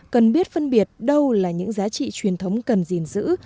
cần biết phân biệt đâu là những giá trị truyền thống cần gìn giữ